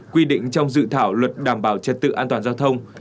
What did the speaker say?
quy định trong dự thảo luật đảm bảo trật tự an toàn giao thông